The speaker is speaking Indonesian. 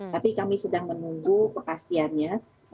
tapi kami sedang menunggu kepastiannya